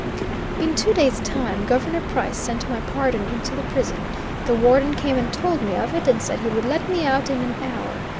In two days' time, Governor Price sent my pardon into the prison. The Warden came and told me of it, and said he would let me out in an hour.